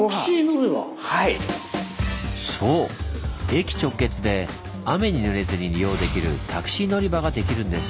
駅直結で雨にぬれずに利用できるタクシー乗り場ができるんです。